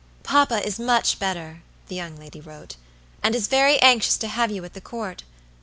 "Papa is much better," the young lady wrote, "and is very anxious to have you at the Court.